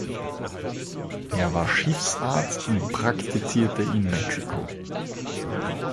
Er war Schiffsarzt und praktizierte in Mexiko.